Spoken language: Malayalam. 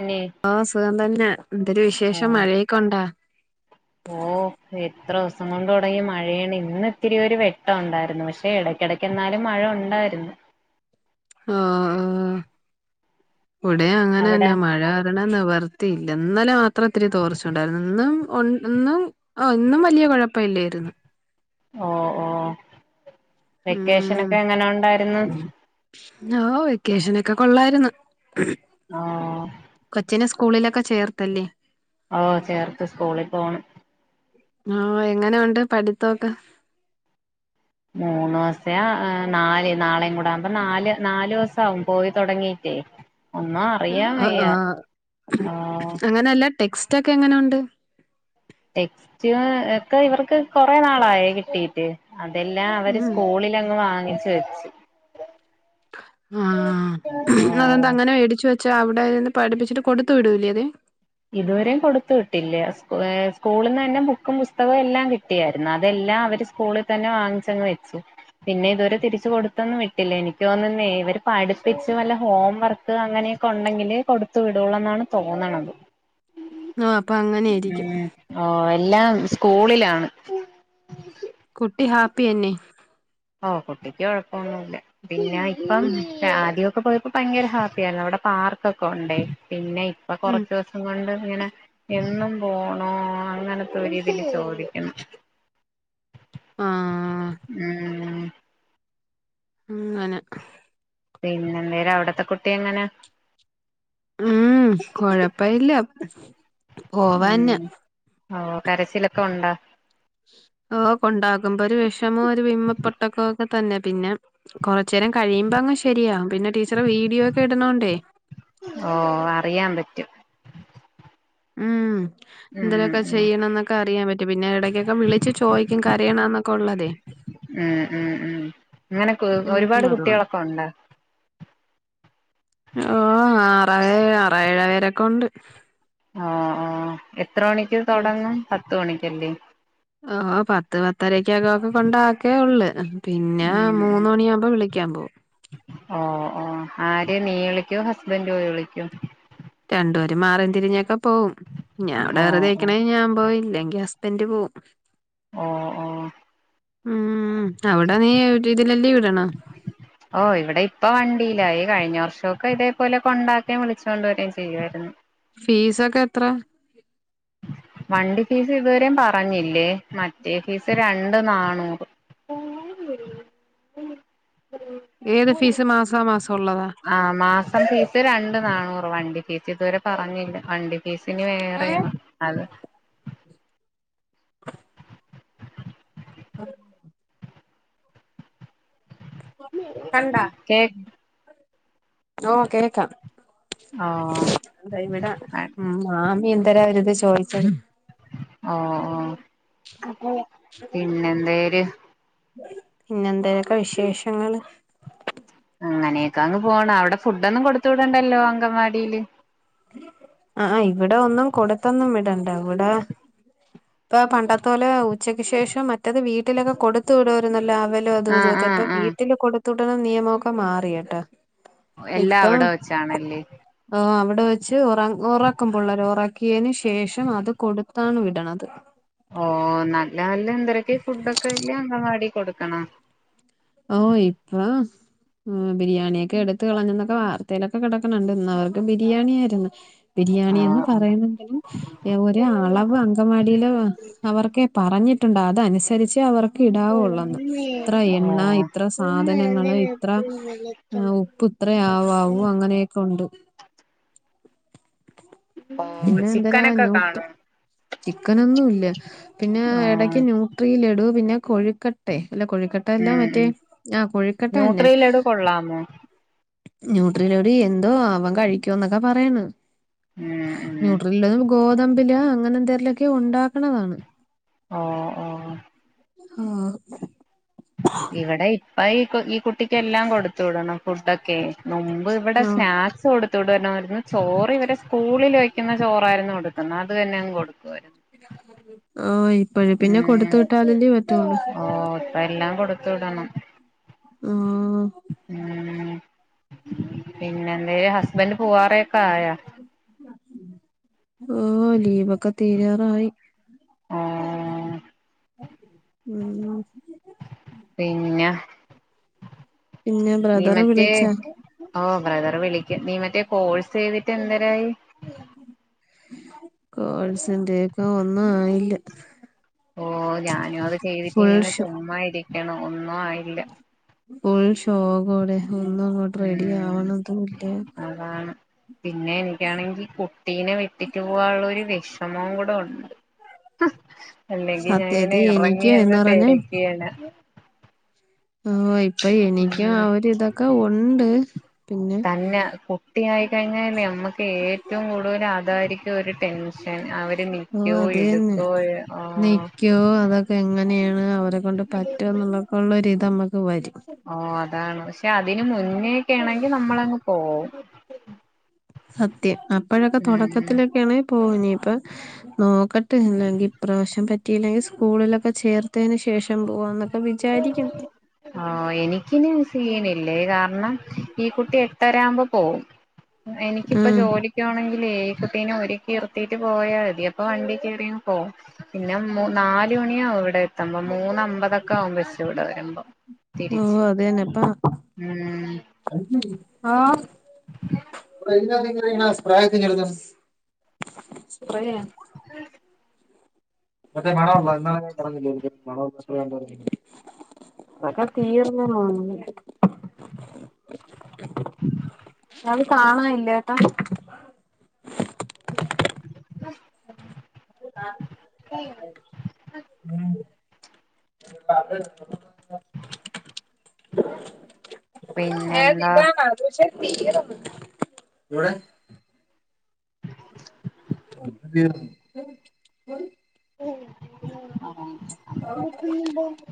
പിന്നെ ഓ സുഖം തന്നെ എന്തൊരു വിശേഷം ആഹ് മഴെ കൊണ്ടാ ഓ എത്ര ദിവസം കൊണ്ട് തുടങ്ങി മഴയാണ് ഇന്ന് ഇത്തിരിയൊ ഒരു വെട്ടം ഉണ്ടായിരുന്നു പക്ഷെ ഇടയ്ക്കിടയ്ക്ക് എന്നാലും മഴ ഉണ്ട യിരുന്നു [inaudible] ആഹ് ഇവിടെ അങ്ങനെ അവിടെ തന്നെ മഴ വരണംന്ന് വ- ഇല്ല എന്നാല മാത്രം ഒത്തിരി തോർച്ച ഉണ്ടായിരുന്നു ഇന്നും ഇന്നും ആ ഇന്നും വലിയ കുഴപ്പ ഇല്ലായിരുന്നു ഉ ഓ ഓ ഉം വെക്കേഷനൊക്കെ എങ്ങനെ ഉണ്ടായിരുന്നു ഓ വെക്കേഷന ഒക്കെ കൊള്ളായിരുന്നു ഓ കൊച്ചനെ സ്കൂളിലൊക്കെ ചേർത്തല്ലേ ഓ ചേർത്ത് സ്കൂളിൽ പോണ് ആ എങ്ങനെയുണ്ട് പഠിത്തൊക്കെ മൂന്നു ദിവസയാ നാല് നാളെയും കൂട ആകുമ്പ നാല് നാല്ു ദിവസവും പോയി തുടങ്ങി എ അ ആ ആഹ് അങ്ങനല്ല ടെക്സ്റ്റ് ഒക്കെ എങ്ങനെുണ്ട് ടെക്സ്റ്റ് ഒക്കെ ഇവർക്ക് കൊറെ നാളായി കിട്ടീട്ട് അതെല്ലാം അവര് ഉം സ്കൂളിലങ്ങ് വാങ്ങിച്ച വെച്ച് ആഹ ഓ അതെന്താ അങ്ങനെ മേടിച്ചു വെച്ച പ അവിടെന്ന് പഠിപ്പിച്ചട്ട് കൊടുത്തു വിടൂലേ അതെ ഇതുവരെയും കൊടുത്തു വിട്ടില്ലേ ഏ സ്കൂളിൽ നിന്ന് തന്നെ ബുക്കും പുസ്തകവും എല്ലാം കിട്ടിയായിരുന്നു അതെല്ല ല്ല അവര് സ്കൂളിൽ തന്നെ വാങ്ങിച്ചങ്ങ് വെച്ചു പിന്നെ ഇതുവരെ തിരിച്ചു കൊടുത്തൊന്നും വിട്ടില്ല എനിക്ക് തോന്നുന്നേ ഇവര് പഠിപ്പിച്ച് വല്ല ഹോം വർക്ക് അങ്ങനെ കൊണ്ടെങ്കിലേ കൊടുത്തു വിടുള്ള എന്നാണ് തോന്നണത് ആഹ് അപ്പൊ ഉം അങ്ങനെയായിരിക്കും ഓ എല്ലാം സ്കൂളിലാണ് കുട്ടി ഹാപ്പി എന്നെ ഓ കുട്ടിക്ക് കുഴപ്പൊന്നില്ല പിന്നെ ഇപ്പം ഉം ആദ്യ ഒക്കെ പോയപ്പോ ഭയങ്കര ഹാപ്പി ആയിരുന്നു അവിടെ പാർക്കൊക്കെ ഉണ്ടെ പിന്നെ ഇപ്പൊ ഉം കുറച്ച് ദിവസം കൊണ്ട് അങ്ങനെ എന്നും പോണോ അങ്ങനത്തെ രീതിൽ ചോദിക്കുന്നു ആഹ് ഉം അങ്ങനെ പിന്നെ എന്തേര് അവിടത്തെ കുട്ടി എങ്ങനെ ഉം കൊഴപ്പ ഇല്ല പോവന്ന ഉം ഓ കരച്ചിലൊക്കെ ഉണ്ട ഓ കൊണ്ടകുമ്പോ ഒരു വിഷമോ ഒരു വിമ പൊട്ടക്കോ ഒക്കെ തന്നെ പിന്നെ കൊറ ചെരം കഴിയുമ്പോ അങ്ങ് ശരിയാവും പിന്നെ ടീച്ചറ് വീഡിയോ ഒക്കെ ഇടുണോണ്ടേ ഓ അറിയാൻ പറ്റും ഉം ഉം എന്തെലൊക്കെ ഉം ചെയ്യണം എന്നൊക്കെ അറിയാൻ പറ്റും പിന്നെ ഇടക്കൊക്കെ വിളിച്ചു ചോദിക്കും കരയ്ണൊ എന്നൊക്കെ ഉള്ളതേ [unintelligible] ഉം ഉം ഉം അങ്ങനെ ഉം ഒരുപാട് അതുകൊണ്ട് കുട്ടികളൊക്കെ ഉണ്ടോ ഓ ആറ് ആറ് ഏഴ് പേരൊക്കെ ഉണ്ട് ഒ ഓ എത്ര മണിക്ക് ഉം തുടങ്ങും പത്ത് മണിക്കല്ലേ ഓ പത്ത് പത്തരക്കൊക്കെ കൊണ്ടക്കേ ഉള്ളു പിന്നെ ഉം ഉം മൂന്ന് മണിയാമ്പോ വിളി ളികാൻമ്പൊ ഓ ഓ ആര് നീ വിളിക്കോ ഹസ്ബന്റോയി വിളിക്കോ രണ്ടുപേരും മാറും തിരിഞ്ഞൊക്കെ പോവും ഞാൻ ഇവിടെ ഓ വേറെ ഓ തേക്ക്ണെ ഞാൻ പോവും ഇല്ലെ എന്റെ ഹസ്ബൻഡ് പോവും ഓ ഓ ഉം അവിട നീ രീതിലല്ലേ വിടണെ ഇല്ല ഈ കഴിഞ്ഞ വർഷൊക്കെ ഇതേപോലെ കൊണ്ടാക്കേം വിളിച്ച് കൊണ്ട് വരേം ചെയ്യുവായിരുന്നു ഫീസ് ഒക്കെ എത്ര വണ്ടി ഫീസ് ഇതുവരെയും പറഞ്ഞില്ലേ മറ്റേ ഫീസ് രണ്ട് നാന്നൂറ് [unintelligible] ഉം ഉം ഏത് ഫീസ് മാസാ മാസം ആ മാസം ഫീസ് രണ്ട് നാണൂറ് വണ്ടി ഫീസ് ഇതുവരെ പറഞ്ഞില്ല വണ്ടി ഫീസിന് ഏഹ് വേറെയാണ് അത് ഉം കണ്ടാ കേക്ക് ഓ കേക്കാം ഓ എന്താ ഇവിടെ ഉം മാമി എന്തരാ ഒരിത് ചോയിച്ച്ണെ ഓ ഓ പിന്നെ എന്തേര് പിന്നെന്തോക്കെ വിശേഷങ്ങള് അങ്ങനെയൊക്കെ അങ്ങ് പോണം അവിടെ ഫുഡൊന്നും കൊടുത്തു വിടണ്ടല്ലോ അങ്കൻവാടിയില് ആഹ് ഇവിടെ ഒന്നും കൊടുത്തൊന്നും വിടണ്ട ഇവിടെ ഇപ്പ പണ്ടത്തോലെ ഉച്ചക്ക് ശേഷം മറ്റത് വീട്ടിലൊക്കെ കൊടുത്തു വിടുമായിരുന്നല്ലോ ലോ അത് ആ ഇതൊക്കെ ആ ഇപ്പ ആ വീട്ടില് കൊടുത്തുട്ടന നിയമൊക്കെ മാറിട്ടോ എല്ലാം ഇപ്പ അവിടെ വെച്ചാണല്ലേ ആഹ് അവി ടെ വെച്ച് ഉറ ഉറാക്കുമ്പിള്ളേരെ ഉറാക്കിയതിന് ശേഷം അത് കൊടുത്താണ് വിടണത് ഓ നല്ല നല്ല എന്തൊരക്കെ ഫുഡൊക്കെ വല്ല അംഗവാടി കൊടുക്കണ ഓ ഇപ്പം ആ ബിരിയാണിയൊക്കെ എടുത്ത് കളഞ്ഞ് എന്നൊക്കെ വാർത്തയിലൊക്കെ കേക്ക്ണ്ണ്ട് ഇന്ന് അവർക്ക് ബിരിയാണിയായിരുന്നു ബിരിയാണി എന്ന് ആഹ് പറയണെങ്കിലും ഒര് അളവ് അങ്കവാടിൽ അവർക്കെ പറഞ്ഞി ട്ടുണ്ട് അതനുസരിച്ച് അവർക്ക് ഇടാവുള്ളെന്ന് ഇത്ര ഓഹ് എ എ ഓഹ് ഇത്ര സാധനങ്ങള് ഇത്ര ആ ഉപ്പ് ഇത്ര ആവാവൂ അങ്ങനെയൊക്കെ ഉണ്ട് പിന്നെ എന്തേരാ ചിക്കനൊക്കെ നൂട്ട് കാണും ചിക്കനൊന്നുല്ല പിന്നെ ഇടക്ക് ആഹ് ന്യൂട്രിയിലെടു പിന്നെ കൊഴുക്കട്ടെ അല്ല കോഴിക്കെട്ട അല്ല ഉം മറ്റേ ഉം ആ കോഴിക്കെട്ട തന്നെ ന്യൂട്രിയിലട് കൊള്ളാമോ ന്യൂട്രലോടി എന്തോ അവൻ കഴിക്കുവ എന്നൊക്കെ പറയ്ണ് ഉം ഉം ഗോതമ്പില അങ്ങനെ എന്തെങ്കലിലൊക്കെ ഉണ്ടാ ഓ ഓ ആഹ് ഇവിടെ ഇപ്പ ഈ ഈ കുട്ടിക്ക് എല്ലാം കൊടുത്തു വിടണം ഫുഡൊക്കെ മുമ്പ് ഇവിടെ സ്നാക്സ് കൊടു കൊത്തടു വരണമായിരുന്നു ചോറ് ഇവരെ സ്കൂളിൽോയ്ക്കുന്ന ചോറായിരുന്നു കൊടുക്കുന്നത് അത് തന്നെ അങ്ങ് കൊടുക്കുമായിരുന്നു ഓ ഉ ഓ ഇപ്പ എല്ലാം അത്തോടണം ആഹ് ഉ പിന്നെ എന്തായ ഹസ്ബന്റ് പോവാറൊക്കെ ആയാ ഓ ലീവൊക്കെ തീരാറായി ആഹ ഉം പിന്നെ പിന്നെ നീ ബ്രദറ് മറ്റേ വിളിച്ചാ ഓ ബ്രദർ വിളിക്ക നീ മറ്റേ കോഴ്സ് ചെയ്തിട്ട് എന്തേരായി കോഴസിന്റെ ഒക്കെ ഒന്നും ആയില്ല ഓ ഞാനും അത് ചെയ്തിട്ട് ഫുൾ ഇങ്ങനെ ഷോ ചുമ്മാ ഇരിക്കണം ഒന്നും ആയില്ല ഫുൾ ഷോകോടെ ഒന്നും അങ്ങോട്ട് റെഡി ഉം ആവണതുമല്ല അതാണ് പിന്നെ എനിക്കാണെങ്കി കുട്ടീനെ വിെട്ടിട്ടു പോവാനുള്ള ഒരു വിഷമവും കൂടെ ഉണ്ട് അല്ലെങ്കി ഞാൻ ഇങ്ങനെ സത്യത്തി ഇറങ്ങി എനിക്ക് എന്ന് അങ്ങെ പറഞ്ഞാ തരക്കയാണ് ആഹ് ഇപ്പൊ എനിക്കും ആ ഒരു ഇതൊക്കെ ഉണ്ട് പിന്നെ തന്നെ കുട്ടിയായി കഴിഞ്ഞാലം നമുക്ക് ഏറ്റവും കൂടുതൽ ആധരിക്ക ഒരു ടെൻഷൻ അവര് നൽക്കയോ എടുക്കോ ഓ നക്കോ അതൊക്കെ എങ്ങന അവരെ കൊൊണ്ട് പറ്റുമ എന്നുള്ളൊക്കെള്ളരിത് നമ്മക്ക് വരും ഓ അതാണ് പക്ഷെ അതിനന് മുന്നേക്കെ ആണെങ്കി നമ്മളങ്ങ് പോവും സത്യം അപ്പോഴൊക്കെ ഉം തുടക്കത്തിലൊക്കെയണ പോനി ഇപ്പൊ നോക്ക ങ്കിൽ ഇപ്രാവശ്യം പറ്റിയില്ലെങ്കിൽ സ്കൂളിലൊക്കെ ചേർത്തതിനന് ശേഷം പോകന്നൊക്കെ ആഹ എനിക്കിന ചെയ കാരണം ഈ കുട്ടി എട്ടര്പോ പോം എനിക്കപ്പോ ഉം ജോലണെ ഒരുക്കിർത്തിട്ട് പോയാൽ മതി അപ്പൊ വണ്ടി കയറിയ പോ പിന്നെ ന തുണിയാവും ഇവിടെ എത്തുമ്പോ മൂന്ന അമ്പതൊക്കെ ആമ്പോെച്ച് ഇവിടെ വരുമ്പോം ഓ അതന്നെപ്പാ ഉം ആ [inaudible] മറ്റേ മണള്ള എന്നാല [unintelligible] പറഞ്ഞില്ലോ എനിണ അതൊക്കെ തീർന്നു തോന്നുന്നു [unintelligible] കാണാനില്ലട്ടാ [inaudible] ഉം [unintelligible] ക [unintelligible] ഏ പിന്നെന്താ സിതാ വതക്ഷ [unintelligible] ഇടെ [unintelligible] [unintelligible] ന്നണ്ടോ [unintelligible]